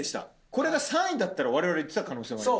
これが３位だったら我々いってた可能性あります。